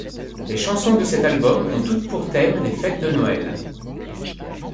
Les chansons de cet album ont toutes pour thème les fêtes de Noël.